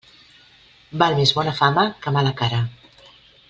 Val més bona fama que mala cara.